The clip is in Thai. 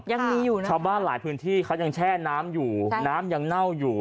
ยังมีอยู่นะชาวบ้านหลายพื้นที่เขายังแช่น้ำอยู่น้ำยังเน่าอยู่